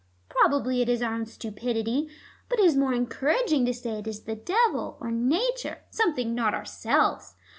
Probably it is our own stupidity, but it is more encouraging to say it is the devil or nature, something not ourselves.